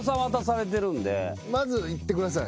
まずいってください。